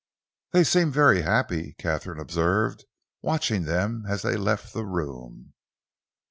"They seem very happy," Katharine observed, watching them as they left the room.